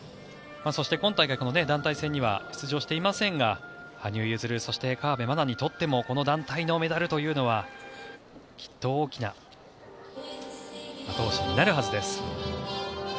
そして今大会、この団体戦には出場していませんが羽生結弦、そして河辺愛菜にとってもこの団体のメダルというのはきっと大きな後押しになるはずです。